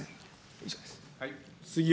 以上です。